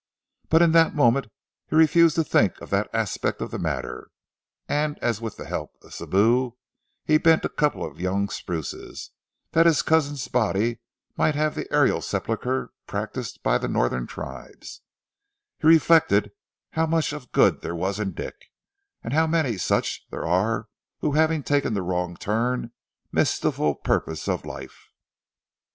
But in that moment he refused to think of that aspect of the matter, and as with the help of Sibou he bent a couple of young spruces, that his cousin's body might have the aerial sepulchre practised by the Northern tribes, he reflected how much of good there was in Dick, and how many such there are who having taken the wrong turn miss the full purpose of life.